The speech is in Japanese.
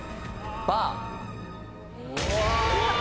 バー。